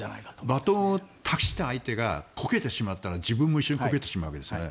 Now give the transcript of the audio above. バトンを託した相手がこけてしまったら自分も一緒にこけてしまうわけですね。